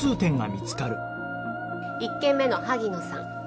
１件目の萩野さん